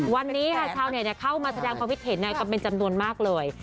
วันนี้ค่ะชาวเน็ตเข้ามาแสดงความคิดเห็นกันเป็นจำนวนมากเลย